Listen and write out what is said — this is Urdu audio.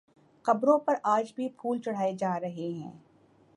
قبروں پر آج بھی پھول چڑھائے جا رہے ہیں